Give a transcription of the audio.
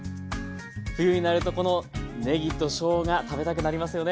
冬になるとこのねぎとしょうが食べたくなりますよね。